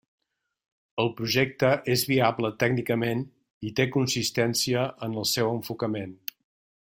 El projecte és viable tècnicament i té consistència en el seu enfocament.